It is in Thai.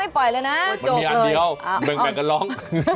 มันมีอันเดียวให้ลอง